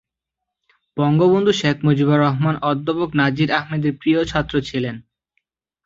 বঙ্গবন্ধু শেখ মুজিবুর রহমান অধ্যাপক নাজির আহমেদের প্রিয় ছাত্র ছিলেন।